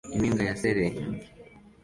Impinga ya shelegi